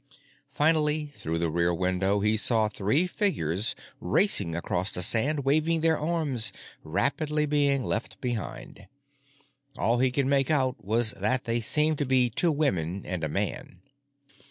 Finally, through the rear window, he saw three figures racing across the sand waving their arms, rapidly being left behind. All he could make out was that they seemed to be two women and a man.